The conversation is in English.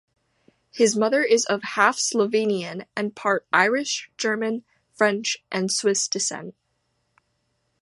His mother is of half Slovenian and part Irish, German, French, and Swiss descent.